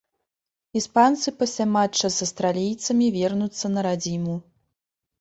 Іспанцы пасля матча з аўстралійцамі вернуцца на радзіму.